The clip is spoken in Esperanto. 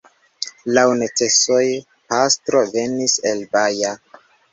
Laŭ necesoj pastro venis el Baja.